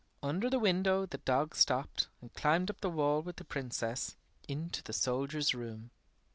Under the window the dog stopped and climbed up the wall with the Princess, into the soldier's room.